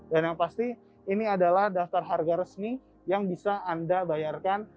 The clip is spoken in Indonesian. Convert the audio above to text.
dan yang pasti ini adalah daftar harga resmi yang bisa anda bayarkan